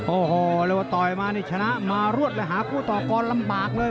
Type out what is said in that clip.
โอ้โหเรียกว่าต่อยมานี่ชนะมารวดแล้วหาคู่ต่อกรลำบากเลย